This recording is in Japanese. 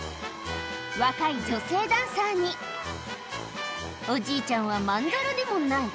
若い女性ダンサーに、おじいちゃんはまんざらでもない。